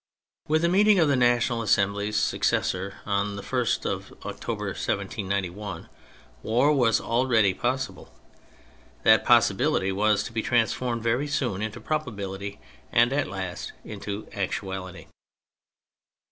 With the meeting of the National Assembly's suc cessor on the 1st of October, 1791, war was already possible; that possibility was to be transformed very soon into probability, and at last into actuality.